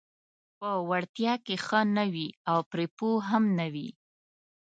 په وړتیا کې ښه نه وي او پرې پوه هم نه وي: